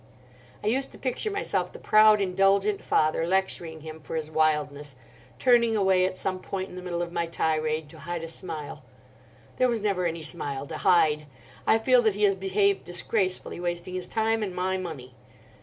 I used to picture myself the proud, indulgent father lecturing him for his wildness—turning away at some point in the middle of my tirade to hide a smile. There was never any smile to hide. I feel that he has behaved disgracefully, wasting his time and my money."